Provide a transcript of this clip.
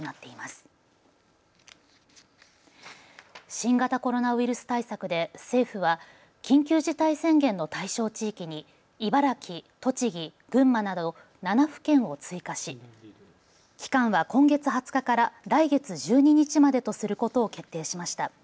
新型コロナウイルス対策で政府は緊急事態宣言の対象地域に茨城、栃木、群馬など７府県を追加し期間は今月２０日から来月１２日までとすることを決定しました。